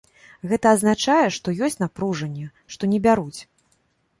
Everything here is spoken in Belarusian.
Гэта азначае, што ёсць напружанне, што не бяруць.